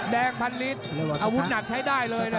แดงพันลิตรอาวุธหนักใช้ได้เลยนะ